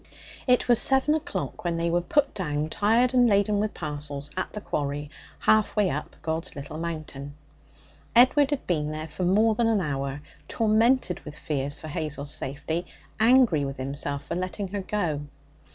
It was seven o'clock when they were put down, tired and laden with parcels, at the quarry half way up God's Little Mountain. Edward had been there for more than an hour, tormented with fears for Hazel's safety, angry with himself for letting her go.